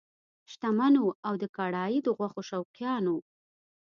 شتمنو او د کړایي د غوښو شوقیانو!